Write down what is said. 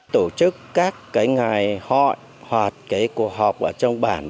tổ chức các cái ngày họ hoặc cái cuộc họp ở trong bản